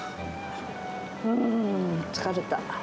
うーん、疲れた。